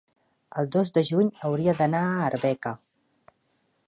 el dos de juny hauria d'anar a Arbeca.